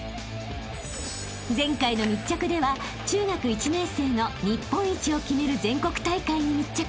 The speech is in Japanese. ［前回の密着では中学１年生の日本一を決める全国大会に密着］